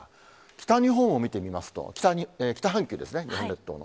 北日本を見てみますと、北半球ですね、日本列島の。